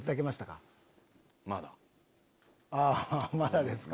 まだですか。